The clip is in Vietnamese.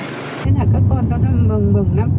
thế là các con nó mừng mừng lắm